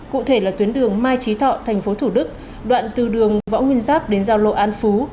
cụ thể là tuyến đường mai trí thọ tp thủ đức đoạn từ đường võ nguyên giáp đến giao lộ an phú